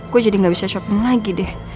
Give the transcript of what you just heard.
gue jadi gak bisa shopping lagi deh